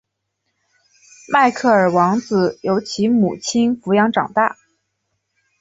迈克尔王子由其母亲抚养长大。